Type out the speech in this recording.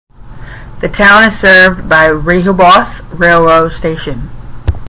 The town is served by Rehoboth railway station.